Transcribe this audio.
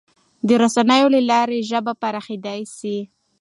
د رسنیو له لارې ژبه پراخېدای سي.